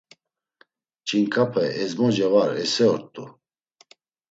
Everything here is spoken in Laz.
Ç̌inǩape, ezmoce var esse ort̆u.